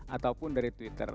ataupun dari twitter